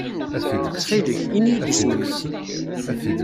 Ttxil-k, ini-iyi-d isem-nnek.